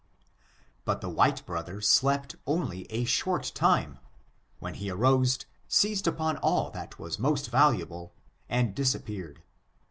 But the white brother slept only a short time, when he arose, seized upon all that was most valuable and disappeared.